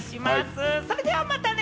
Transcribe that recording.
それでは、またね！